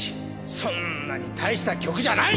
そんなに大した曲じゃない。